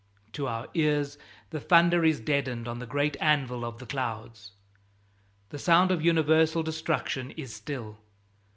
To our ears the thunder is deadened on the great anvil of the clouds. The sound of universal destruction is still.